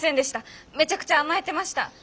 めちゃくちゃ甘えてました。